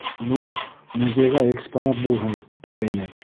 — Ну, музейға экспонат булһын, тигәйнек.